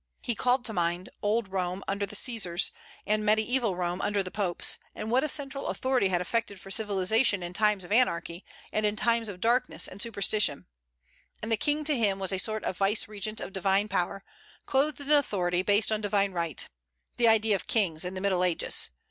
He called to mind old Rome under the Caesars, and mediaeval Rome under the popes, and what a central authority had effected for civilization in times of anarchy, and in times of darkness and superstition; and the King to him was a sort of vicegerent of divine power, clothed in authority based on divine right, the idea of kings in the Middle Ages.